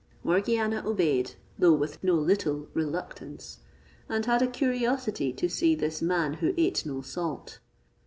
Morgiana obeyed, though with no little reluctance, and had a curiosity to see this man who ate no salt.